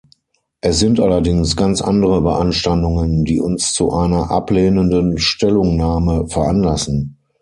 Es sind allerdings ganz andere Beanstandungen, die uns zu einer ablehnenden Stellungnahme veranlassen.